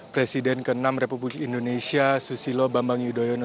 presiden keenam republik indonesia susilo bambang yudhoyono